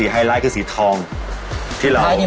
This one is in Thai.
ไฮไลท์คือสีทองที่เรา